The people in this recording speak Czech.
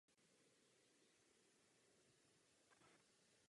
Je to zcela mimořádná situace.